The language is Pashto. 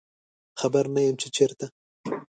خبر نه یمه چې چیرته